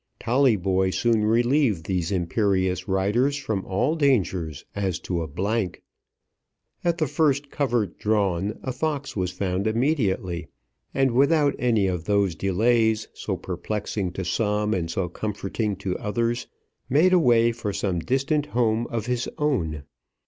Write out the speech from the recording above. Tolleyboy soon relieved these imperious riders from all dangers as to a blank. At the first covert drawn a fox was found immediately, and without any of those delays, so perplexing to some and so comforting to others, made away for some distant home of his own.